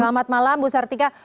selamat malam bu sartika